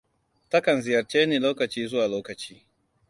Ta kan ziyarce ni lokaci zuwa lokaci.